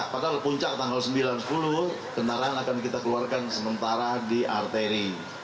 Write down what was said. padahal puncak tanggal sembilan sepuluh kendaraan akan kita keluarkan sementara di arteri